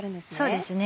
そうですね。